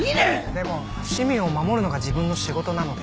でも市民を守るのが自分の仕事なので。